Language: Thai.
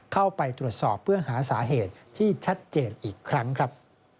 เข้าไปตรวจสอบเพื่อหาสาเหตุที่ชัดเจนอีกครั้งครับ